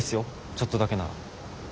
ちょっとだけなら。